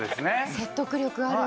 説得力ある。